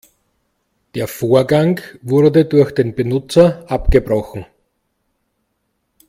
Der Vorgang wurde durch den Benutzer abgebrochen.